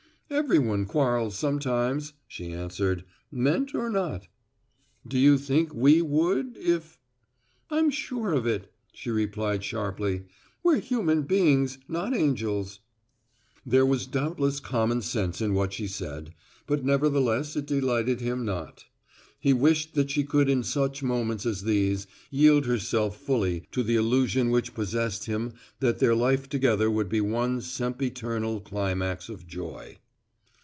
"Everyone quarrels sometimes," she answered, "meant or not." "Do you think we would, if " "I'm sure of it," she replied sharply. "We're human beings, not angels." There was doubtless common sense in what she said, but nevertheless it delighted him not. He wished that she could in such moments as these, yield herself fully to the illusion which possessed him that their life together would be one sempiternal climax of joy.